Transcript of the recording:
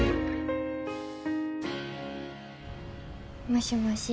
もしもし。